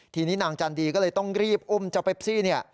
ทีนี้นางจันดีก็เลยต้องรีบอุ้มเจ้าเปปซี่เนี่ย